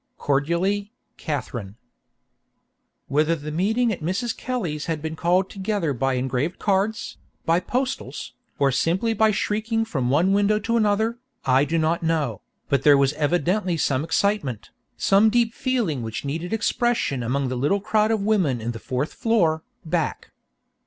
"Cordially, "KATHERINE." Whether the meeting at Mrs. Kelly's had been called together by engraved cards, by postals, or simply by shrieking from one window to another, I do not know, but there was evidently some excitement, some deep feeling which needed expression among the little crowd of women in the fourth floor, back.